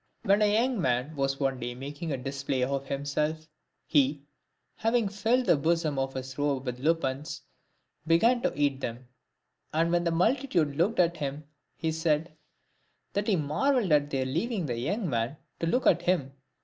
When a young man was one day making a display of himself, he, having filled the bosom of his robe with lupins, began to eat them ; and when the multitude looked at him, he said, " that he marvelled at their leaving the young man to look at him."